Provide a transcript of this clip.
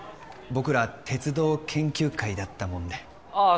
僕ら鉄道研究会だったものでああ